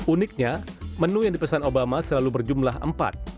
uniknya menu yang dipesan obama selalu berjumlah empat